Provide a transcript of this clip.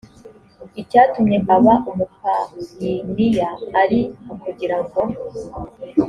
icyatumye aba umupayiniya ari ukugira ngo